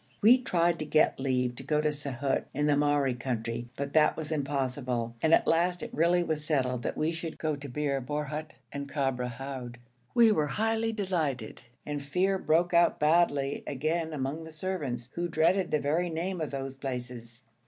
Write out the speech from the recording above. We tried to get leave to go to Saihut in the Mahri country, but that was impossible, and at last it really was settled that we should go to Bir Borhut and Kabr Houd. We were highly delighted, and fear broke out badly again among the servants, who dreaded the very name of those places.